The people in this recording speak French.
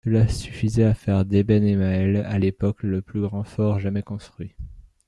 Cela suffisait à faire d'Ében-Émael, à l’époque, le plus grand fort jamais construit.